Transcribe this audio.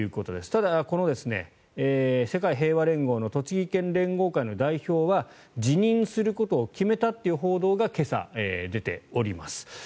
ただ、世界平和連合の栃木県連合会の代表は辞任することを決めたという報道が今朝、出ております。